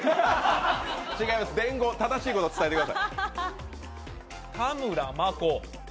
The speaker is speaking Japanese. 違います、正しいことを伝えてください。